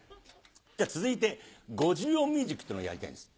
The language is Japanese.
続いて５０音ミュージックっていうのをやりたいんです。